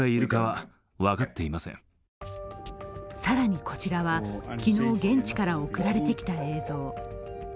更に、こちらは昨日現地から送られてきた映像。